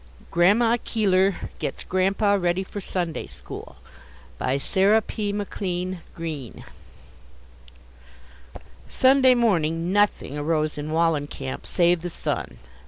GRANDMA KEELER GETS GRANDPA READY FOR SUNDAY SCHOOL BY SARAH P. McLEAN GREENE Sunday morning nothing arose in Wallencamp save the sun.